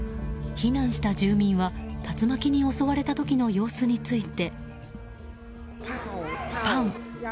避難した住民は竜巻に襲われた時の様子について。